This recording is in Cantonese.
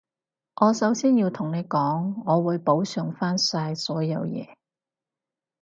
我首先要同你講，我會補償返晒所有嘢